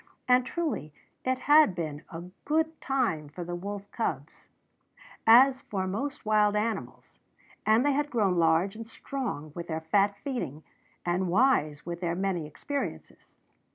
And truly it had been a good time for the wolf cubs, as for most wild animals; and they had grown large and strong with their fat feeding, and wise with their many experiences.